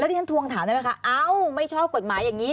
แล้วดิฉันทวงถามได้ไหมคะไม่ชอบกฎหมายอย่างนี้